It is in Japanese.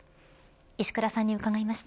石倉さんに伺いました。